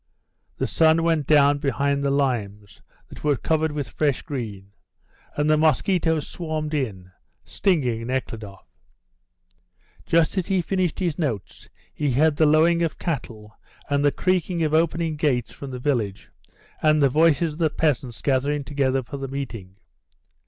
The sun went down behind the limes, that were covered with fresh green, and the mosquitoes swarmed in, stinging Nekhludoff. Just as he finished his notes, he heard the lowing of cattle and the creaking of opening gates from the village, and the voices of the peasants gathering together for the meeting.